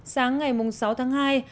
sáng ngày sáu tháng hai